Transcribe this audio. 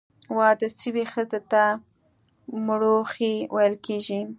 واده سوي ښځي ته، مړوښې ویل کیږي.